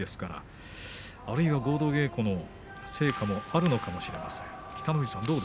これは合同稽古の成果もあるのかもしれません。